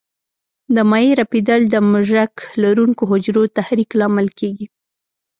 د مایع رپېدل د مژک لرونکو حجرو تحریک لامل کېږي.